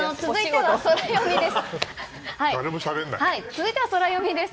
続いてはソラよみです。